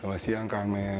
selamat siang karmel